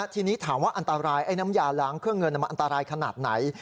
ทีนี้ถามว่าน้ำยาล้างเครื่องเงินก็อันตรายขนาดไหน